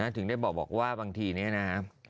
ถึงได้บอกบอกว่าบางทีนี้นะ